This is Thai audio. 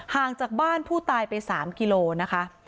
ห่างจากบ้านผู้ตายไป๓กิโลนะคะ